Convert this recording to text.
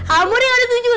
amor yang ada tujuh